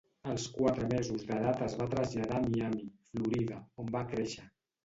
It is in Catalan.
Als quatre mesos d'edat es va traslladar a Miami, Florida, on va créixer.